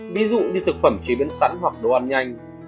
ví dụ như thực phẩm chế biến sẵn hoặc đồ ăn nhanh